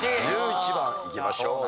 １１番いきましょう。